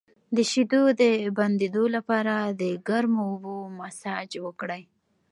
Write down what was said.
د شیدو د بندیدو لپاره د ګرمو اوبو مساج وکړئ